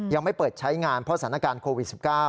ยังไม่เปิดใช้งานเพราะสถานการณ์โควิด๑๙